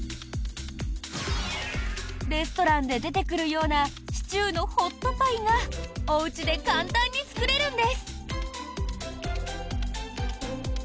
レストランで出てくるようなシチューのホットパイがおうちで簡単に作れるんです。